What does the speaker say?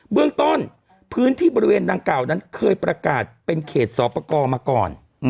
เบื้องต้นพื้นที่บริเวณดังกล่าวนั้นเคยประกาศเป็นเขตสอบประกอบมาก่อน